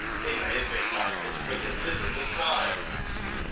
He may have been like this for a considerable time."